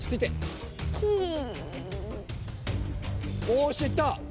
おし行った。